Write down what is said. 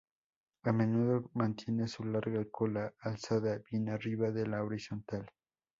A menudo mantiene su larga cola alzada bien arriba de la horizontal.